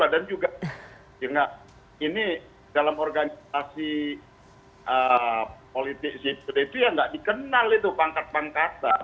dan juga ini dalam organisasi politik situ itu ya tidak dikenal itu pangkat pangkatnya